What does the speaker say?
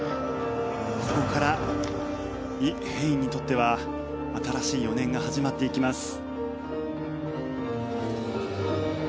ここからイ・ヘインにとっては新しい４年が始まっていきます。